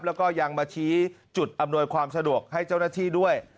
แล้วก็ยังมาชี้จุดอำนวยความสะดวกให้เจ้าหน้าที่ด้วย